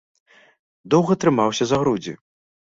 Доўга трымаўся за грудзі.